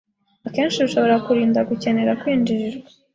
akenshi bishobora kurinda gucyenera kwinjirirwa